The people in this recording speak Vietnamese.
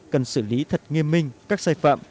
cần xử lý thật nghiêm minh các sai phạm